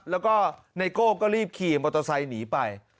แล้วก็ไนโก้ก็รีบขี่มอเตอร์ไซค์หนีไป